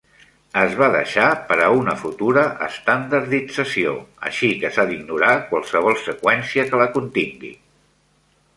Es va deixar per a una futura estandardització, així que s'ha d'ignorar qualsevol seqüència que la contingui.